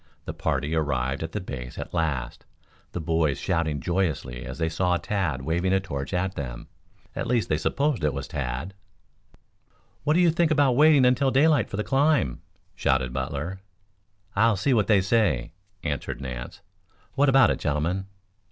The party ar rived at the base at last, the boys shouting joyously as they saw Tad waving a torch at them. At least they supposed it was Tad. "What do you think about waiting until daylight for the climb?" shouted Butler. "I'll see what they say," answered Nance. "What about it, gentlemen?"